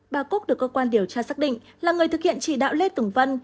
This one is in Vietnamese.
bà cúc được cơ quan điều tra xác định là người thực hiện chỉ đạo lê tùng vân